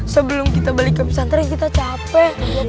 sebelum kita beli ke pesantren kita capek